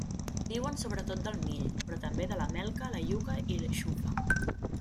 Viuen sobretot del mill, però també de la melca, la iuca i xufa.